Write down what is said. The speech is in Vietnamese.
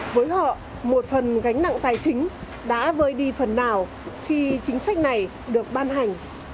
với họ một phần gánh nặng tài chính đã vơi đi phần nào khi chính sách này được ban hành